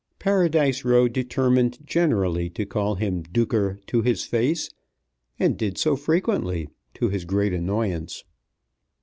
Paradise Row determined generally to call him Duker to his face, and did so frequently, to his great annoyance.